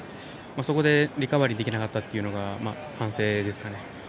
そこでリカバリーできなかったのが反省ですかね。